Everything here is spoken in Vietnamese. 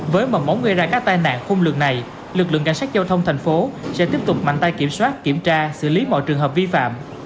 với mầm móng gây ra các tai nạn khung lường này lực lượng cảnh sát giao thông thành phố sẽ tiếp tục mạnh tay kiểm soát kiểm tra xử lý mọi trường hợp vi phạm